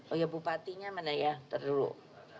oh iya bupatinya mana ya terduduk